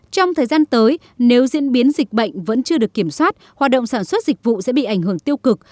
trong thời gian tới nếu diễn biến dịch bệnh vẫn chưa được kiểm soát hoạt động sản xuất dịch vụ sẽ bị ảnh hưởng tiêu cực